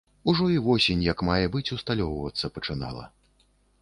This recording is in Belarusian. Ужо і восень як мае быць усталёўвацца пачынала.